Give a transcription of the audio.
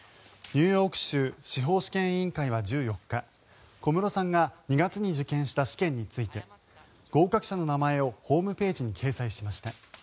ニューヨーク州司法試験委員会は１４日小室さんが２月に受験した試験について合格者の名前をホームページに掲載しました。